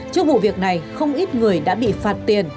trước vụ việc này không ít người đã bị phạt tiền